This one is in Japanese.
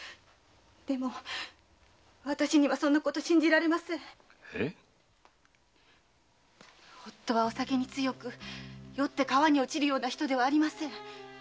でも私にはそんなこと信じられません夫はお酒に強く酔って川に落ちるような人ではありません。